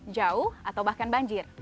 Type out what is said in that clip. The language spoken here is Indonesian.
jauh atau bahkan banjir